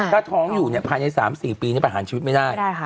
ถ้าท้องอยู่เนี่ยภายใน๓๔ปีเนี่ยประหารชีวิตไม่ได้